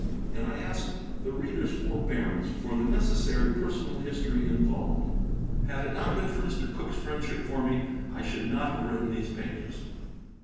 And I ask the reader's forbearance for the necessary personal history involved. Had it not been for Mr. Cooke's friendship for me I should not have written these pages.